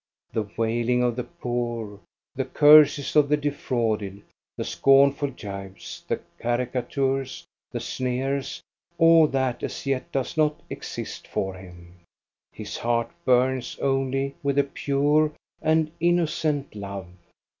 The wailing of the poor, the curses of the defrauded, 320 THE STORY OF GOSTA BE RUNG the scornful gibes, the caricatures, the sneers, all that as yet does not exist for him. His heart burns only with a pure and innocent love.